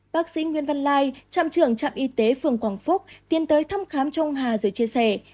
bác sĩ nguyễn văn lai trạm trưởng trạm y tế phường quảng phúc tiến tới thăm khám cho ông hà rồi chia sẻ